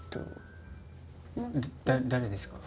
だ誰ですか？